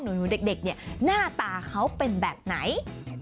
หนูเด็กเนี่ยหน้าตาเขาเป็นแบบไหน